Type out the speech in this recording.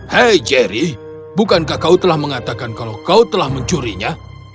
hei jerry bukankah kau telah mengatakan kalau kau telah mencurinya